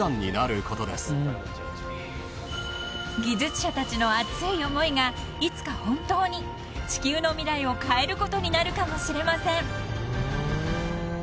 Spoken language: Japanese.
［技術者たちの熱い思いがいつか本当に地球の未来を変えることになるかもしれません］